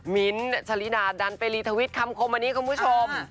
มิ้นท์ชะลิดาดันไปรีทวิตคำคมอันนี้คุณผู้ชม